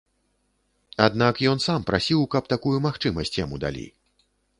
Аднак ён сам прасіў, каб такую магчымасць яму далі.